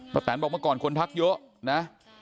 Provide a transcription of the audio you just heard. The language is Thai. แตนบอกเมื่อก่อนคนทักเยอะนะ